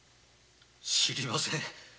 知りません。